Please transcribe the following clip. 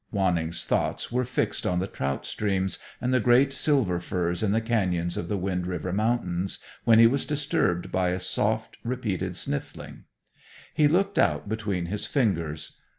Wanning's thoughts were fixed on the trout streams and the great silver firs in the canyons of the Wind River Mountains, when he was disturbed by a soft, repeated sniffling. He looked out between his fingers.